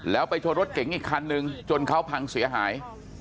แล้วไปชนรถเก๋งอีกคันนึงจนเขาพังเสียหาย